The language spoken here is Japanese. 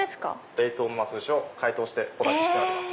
冷凍のマスずしを解凍してお出ししております。